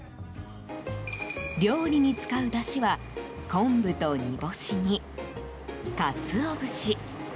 料理に使うだしは昆布と煮干しにかつお節。